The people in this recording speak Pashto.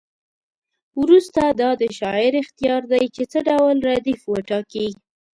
وروسته دا د شاعر اختیار دی چې څه ډول ردیف وټاکي.